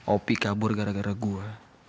opi kabur gara gara gue